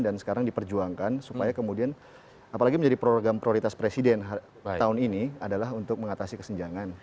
dan sekarang diperjuangkan supaya kemudian apalagi menjadi program prioritas presiden tahun ini adalah untuk mengatasi kesenjangan